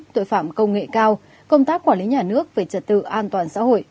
tội phạm công nghệ cao công tác quản lý nhà nước về trật tự an toàn xã hội